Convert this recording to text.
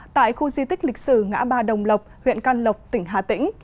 tại khu di tích lịch sử ngã ba đồng lộc huyện can lộc tỉnh hà tĩnh